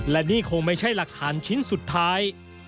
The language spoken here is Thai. และนี่คงไม่ใช่หลักฐานชิ้นสุดท้าย